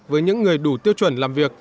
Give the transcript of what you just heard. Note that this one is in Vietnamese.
với những người đủ tiêu chuẩn làm việc